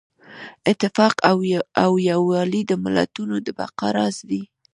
اتفاق او یووالی د ملتونو د بقا راز دی.